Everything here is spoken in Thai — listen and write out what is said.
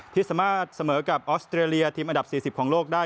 ที่สามารถเสมอกับออสเตรเลียทีมอันดับ๔๐ของโลกได้